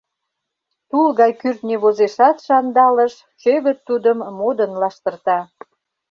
Тул гай кӱртньӧ возешат шандалыш, чӧгыт тудым модын лаштырта.